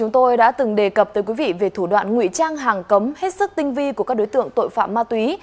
chúng tôi đã từng đề cập tới quý vị về thủ đoạn ngụy trang hàng cấm hết sức tinh vi của các đối tượng tội phạm ma túy